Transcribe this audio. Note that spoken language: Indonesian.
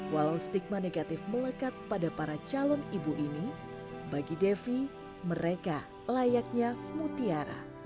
walau stigma negatif melekat pada para calon ibu ini bagi devi mereka layaknya mutiara